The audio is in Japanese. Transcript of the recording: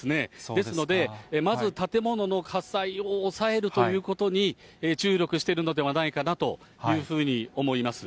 ですので、まず建物の火災を抑えるということに注力しているのではないかなというふうに思います。